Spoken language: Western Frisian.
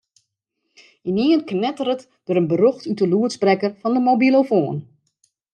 Ynienen knetteret der in berjocht út de lûdsprekker fan de mobilofoan.